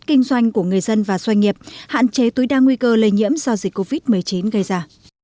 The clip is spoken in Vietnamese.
kinh doanh của người dân và doanh nghiệp hạn chế tối đa nguy cơ lây nhiễm do dịch covid một mươi chín gây ra